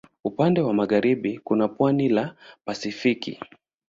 Upande wa magharibi kuna pwani la Pasifiki.